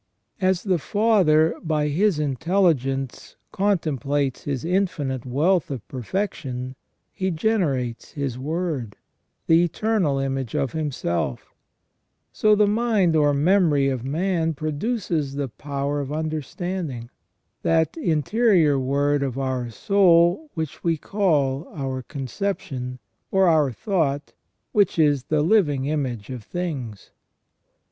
As the Father by His intelligence contemplates His infinite wealth of perfection, He generates His Word, the eternal image of Himself, so the mind or memory of man produces the power of understanding, that interior word of our soul which we call our conception, or our thought, which is the living image of things.